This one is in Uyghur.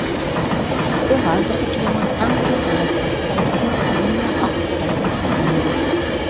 بۇ ھازىرغىچە بولغان ئەڭ چوڭ بېلەت پەرقى بولسىمۇ، ئۇ يەنىلا ئاقسارايغا كىرەلمىدى.